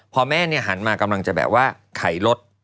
พอแม่หันมากำลังจะแบบว่าไขรถ